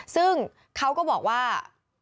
ซึ่งเขาก็บอกว่า